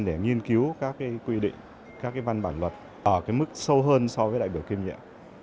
để nghiên cứu các quy định các văn bản luật ở mức sâu hơn so với đại biểu kiêm nhận